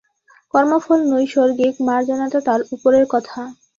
কর্মফল নৈসর্গিক, মার্জনাটা তার উপরের কথা।